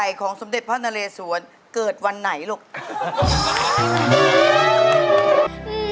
ของสมเด็จพระนเรสวนเกิดวันไหนลูก